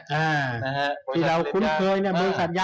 ตอนการคุ้นเคย